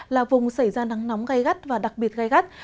là vùng xảy ra nắng nóng gai gắt và đặc biệt gai gắt